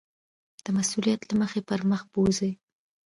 د مسؤلیت له مخې پر مخ بوځي.